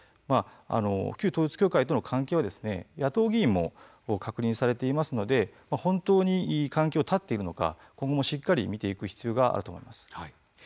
旧統一教会との関係は野党議員も確認されていますので本当に関係を断っているのか今後もしっかり見ていく必要があると思います。